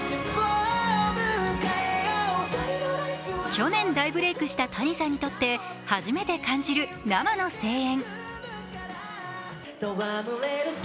去年、大ブレークしたＴａｎｉさんにとって、初めて感じる生の声援。